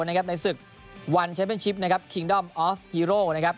ในศึกวันชัมเป็นชิปคริงดอมออฟเฮโร่